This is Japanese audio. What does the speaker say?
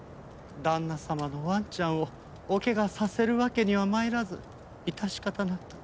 旦那様のワンちゃんをお怪我させるわけには参らず致し方なく。